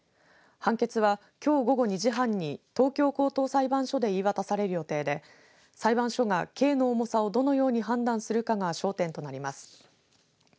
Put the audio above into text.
判決は、きょう午後２時半に東京高等裁判所で言い渡される予定で裁判所が、刑の重さをどのように判断するかが焦点となります。